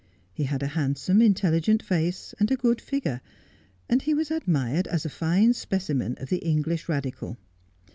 He had a handsome, intelligent face and a good figure, and he was admired as a fine specimen of the English Eadical.